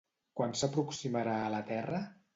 Quan s'aproximarà a la Terra?